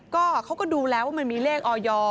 ก็เขาก็ดูแล้วว่ามันมีเลขออย